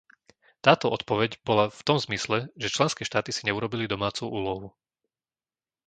Táto odpoveď bola v tom zmysle, že členské štáty si neurobili domácu úlohu.